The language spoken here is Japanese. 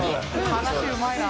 話うまいな。